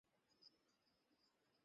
তুমি সবাইকে জাগিয়ে দেবে!